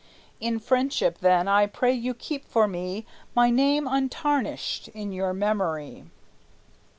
In friendship, then, I pray you keep for me My name untarnished in your memory."